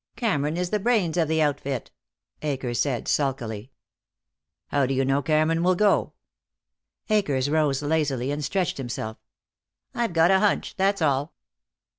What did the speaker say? "Cameron is the brains of the outfit," Akers said sulkily. "How do you know Cameron will go?" Akers rose lazily and stretched himself. "I've got a hunch. That's all."